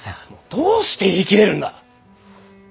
どうして言い切れるんだ？